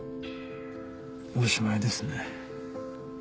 おしまいですね。